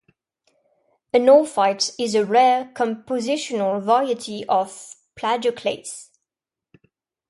Anorthite is a rare compositional variety of plagioclase.